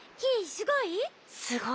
すごいね。